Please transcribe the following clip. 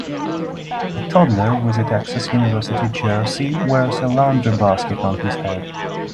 A toddler with a Texas university jersey wears a laundry basket on his head.